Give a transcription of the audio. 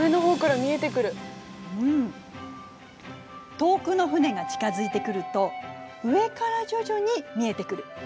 遠くの船が近づいてくると上から徐々に見えてくる。